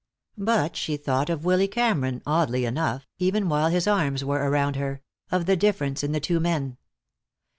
But she thought of Willy Cameron, oddly enough, even while his arms were around her; of the difference in the two men.